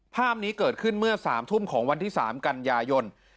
ภาพนี้เกิดขึ้นเมื่อ๓ทุ่มของวันที่๓กันยายน